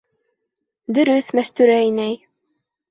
Дөрөҫ, Мәстүрә инәй.